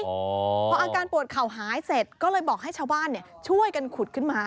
พออาการปวดเข่าหายเสร็จก็เลยบอกให้ชาวบ้านช่วยกันขุดขึ้นมา